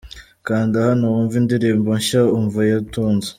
Kanda hano wumve indirimbo nshya'Umva'ya Tonzi .